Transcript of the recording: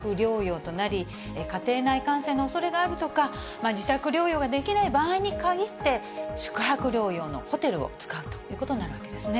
そして、軽症・無症状の人たちも基本は自宅療養となり、家庭内感染のおそれがあるとか、自宅療養ができない場合に限って、宿泊療養のホテルを使うということになるわけですね。